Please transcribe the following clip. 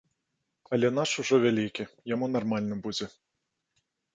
Але наш ужо вялікі, яму нармальна будзе.